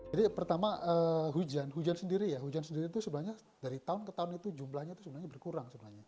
jadi pertama hujan hujan sendiri ya hujan sendiri itu sebesarnya dari tahun ke tahun itu jumlahnya kekurang